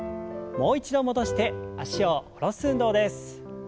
もう一度戻して脚を下ろす運動です。